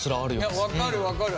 いや分かる分かる！